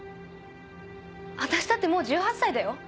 私だってもう１８歳だよ。